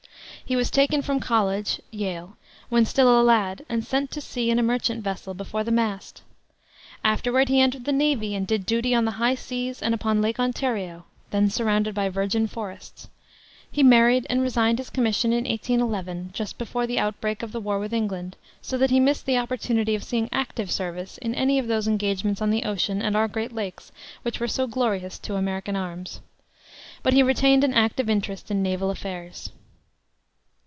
He was taken from college (Yale) when still a lad, and sent to sea in a merchant vessel, before the mast. Afterward he entered the navy and did duty on the high seas and upon Lake Ontario, then surrounded by virgin forests. He married and resigned his commission in 1811, just before the outbreak of the war with England, so that he missed the opportunity of seeing active service in any of those engagements on the ocean and our great lakes which were so glorious to American arms. But he always retained an active interest in naval affairs.